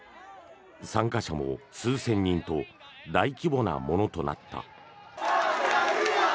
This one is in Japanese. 参加者も数千人と大規模なものとなった。